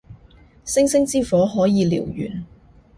星星之火可以燎原